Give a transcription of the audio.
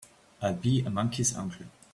I'll be a monkey's uncle!